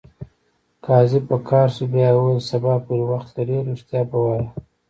قاضي په قهر شو بیا یې وویل: سبا پورې وخت لرې ریښتیا به وایې.